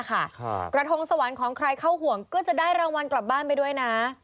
กระทงสวรรค์ของใครเข้าห่วงก็จะได้รางวัลกลับบ้านไปด้วยนะ